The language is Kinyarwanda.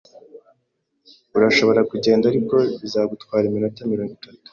Urashobora kugenda, ariko bizagutwara iminota mirongo itatu.